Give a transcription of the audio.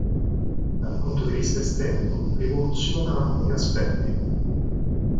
Dal punto di vista estetico rivoluziona alcuni aspetti.